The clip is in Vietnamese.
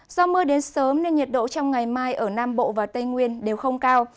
do mưa đến sớm nên nhiệt độ trong ngày mai ở nam bộ và tây nguyên đều không cao